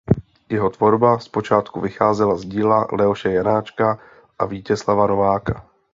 Jeho tvorba zpočátku vycházela z díla Leoše Janáčka a Vítězslava Nováka.